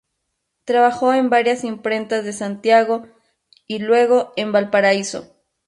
Trabajó en varias imprentas de Santiago y, luego, en Valparaíso.